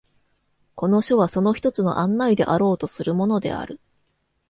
この書はその一つの案内であろうとするものである。